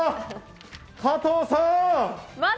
加藤さん！